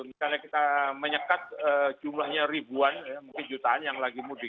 misalnya kita menyekat jumlahnya ribuan mungkin jutaan yang lagi mudik